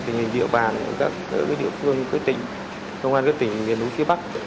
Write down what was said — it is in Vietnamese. tình hình địa bàn của các địa phương công an các tỉnh miền núi phía bắc